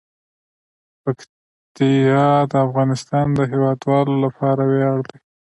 پکتیا د افغانستان د هیوادوالو لپاره ویاړ دی.